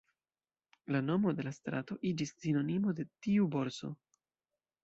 La nomo de la strato iĝis sinonimo de tiu borso.